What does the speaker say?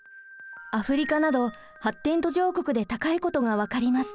アフリカなど発展途上国で高いことが分かります。